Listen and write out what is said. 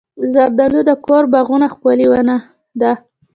زردالو د کور باغونو ښکلې ونه ده.